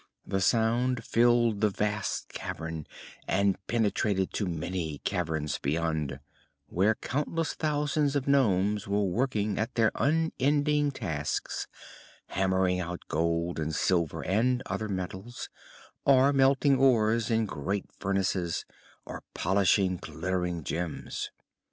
The sound filled the vast cavern and penetrated to many caverns beyond, where countless thousands of nomes were working at their unending tasks, hammering out gold and silver and other metals, or melting ores in great furnaces, or polishing glittering gems.